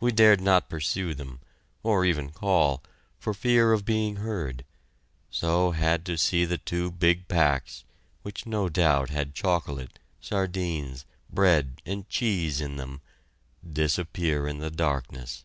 We dared not pursue them, or even call, for fear of being heard; so had to see the two big packs, which no doubt had chocolate, sardines, bread, and cheese in them, disappear in the darkness.